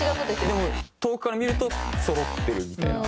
「でも遠くから見るとそろってるみたいな」